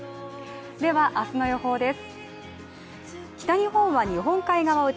では、明日の予報です。